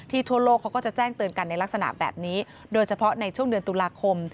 ทั่วโลกเขาก็จะแจ้งเตือนกันในลักษณะแบบนี้โดยเฉพาะในช่วงเดือนตุลาคม